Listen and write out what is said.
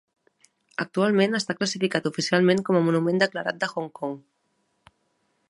Actualment, està classificat oficialment com a monument declarat de Hong Kong.